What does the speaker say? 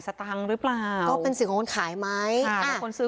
สตังค์หรือเปล่าก็เป็นสิ่งของคนขายไหมค่ะแต่คนซื้อ